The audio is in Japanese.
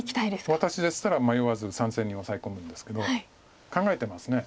私でしたら迷わず３線にオサエ込むんですけど考えてますね。